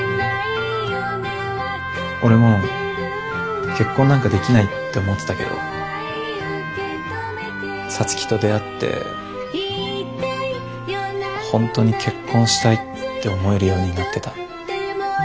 俺も結婚なんかできないって思ってたけど皐月と出会って本当に結婚したいって思えるようになってた。